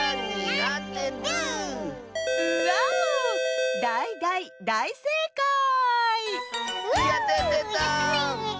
やったぜ！